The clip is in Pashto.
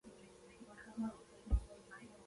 د واده په خنچه کې میوه وي.